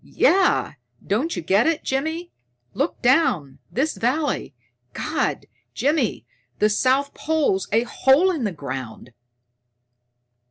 Yeah, don't you get it, Jimmy? Look down! This valley God, Jimmy, the south pole's a hole in the ground!"